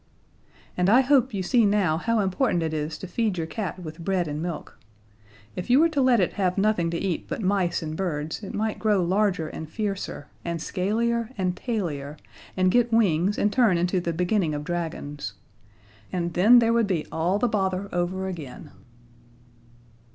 And I hope you see now how important it is to feed your cat with bread and milk. If you were to let it have nothing to eat but mice and birds it might grow larger and fiercer, and scalier and tailier, and get wings and turn into the beginning of dragons. And then there would be all the bother over again.